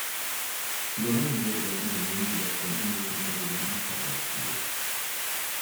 Übernommen wurde das Unternehmen jedoch vom indischen Konkurrenten Tata Steel.